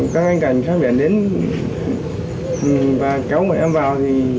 các anh cảnh khác biển đến và kéo mọi em vào